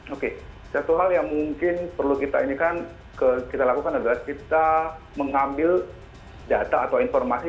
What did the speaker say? oke satu hal yang mungkin perlu kita ini kan kita lakukan adalah kita mengambil data atau informasi